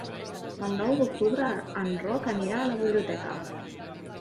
El nou d'octubre en Roc anirà a la biblioteca.